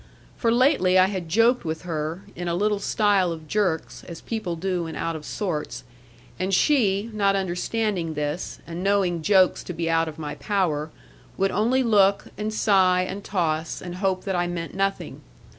For lately I had joked with her, in a little style of jerks, as people do when out of sorts; and she, not understanding this, and knowing jokes to be out of my power, would only look, and sigh, and toss, and hope that I meant nothing.